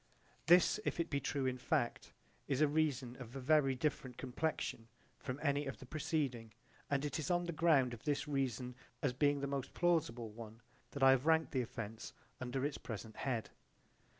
J.B.) This, if it be true in fact, is a reason of a very different complexion from any of the preceding and it is on the ground of this reason as being the most plausible one that I have ranked the offence under its present head.